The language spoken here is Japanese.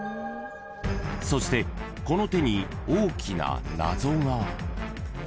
［そしてこの手に大きな謎が］